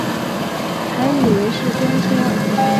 还以为是公车